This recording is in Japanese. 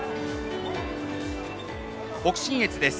北信越です。